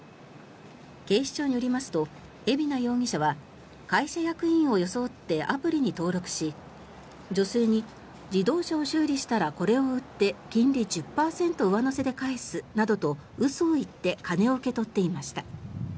警視庁によりますと海老名容疑者は会社役員を装ってアプリに登録し女性に自動車を修理したらこれを売って金利１０％上乗せで返すなどと嘘を言って金を受け取っていました。